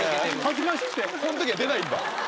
恥ずかしくてそん時は出ないんだ